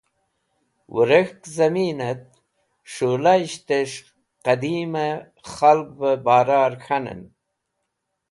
Wẽrek̃hk zẽminẽt s̃hũlayishtẽsh qẽdimẽ khalgvẽ barar k̃hanẽn.